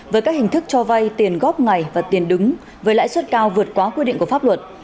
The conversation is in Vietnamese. với các hình thức cho vay tiền góp ngày và tiền đứng với lãi suất cao vượt quá quy định của pháp luật